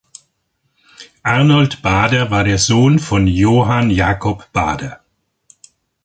Arnold Baader war der Sohn von Johann Jakob Baader.